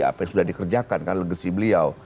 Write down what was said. apa yang sudah dikerjakan kan legasi beliau